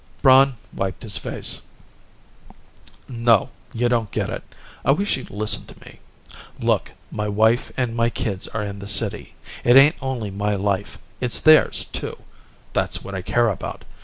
Braun wiped his face. "No. You don't get it. I wish you'd listen to me. Look, my wife and my kids are in the city. It ain't only my life, it's theirs, too. That's what I care about.